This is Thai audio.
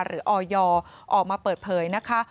หรืออยอมาเปิดเผยนะคะ